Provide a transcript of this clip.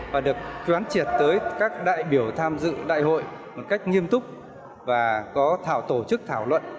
và được quán triệt tới các đại biểu tham dự đại hội một cách nghiêm túc và có tổ chức thảo luận